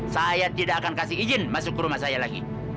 saya tidak akan kasih izin masuk ke rumah saya lagi